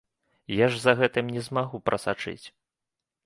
Я ж за гэтым не змагу прасачыць.